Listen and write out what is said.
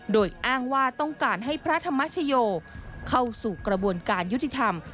โดยอ้างว่าต้องการให้พระธรรมชโยเข้าสู่กระบวนการยุติธรรม